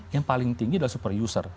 yang paling tinggi adalah super user